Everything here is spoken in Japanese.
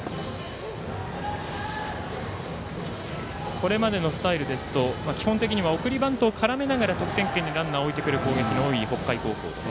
これまでのスタイルですと基本的に送りバントを絡めながら得点圏にランナーを置いてくることの多い北海高校。